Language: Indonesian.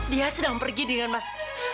dia sedang pergi dengan mas